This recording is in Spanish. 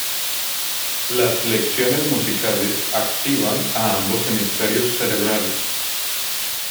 Las lecciones musicales activan a ambos hemisferios cerebrales.